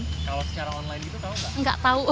kalau secara online gitu tahu nggak